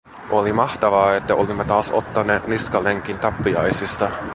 Oli mahtavaa, että olimme taas ottaneet niskalenkin tappiaisista.